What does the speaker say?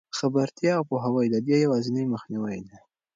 خبرتیا او پوهاوی د دې یوازینۍ مخنیوی دی.